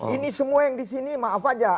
ini semua yang di sini maaf aja